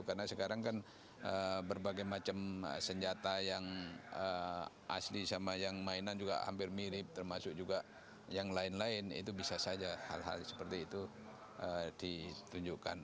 karena sekarang kan berbagai macam senjata yang asli sama yang mainan juga hampir mirip termasuk juga yang lain lain itu bisa saja hal hal seperti itu ditunjukkan